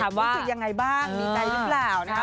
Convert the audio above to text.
รู้สึกยังไงบ้างดีใจหรือเปล่านะคะ